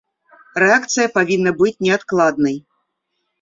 Рэакцыя павінна быць неадкладнай.